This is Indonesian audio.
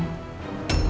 ya bukan perempuan